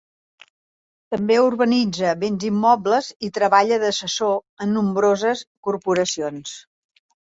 També urbanitza bens immobles i treballa d'assessor en nombroses corporacions.